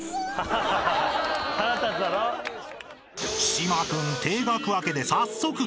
［島君停学明けで早速ビリ］